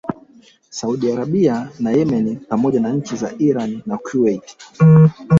Saudi Arabia na Yemeni pamoja na nchi za Irani na Kuwait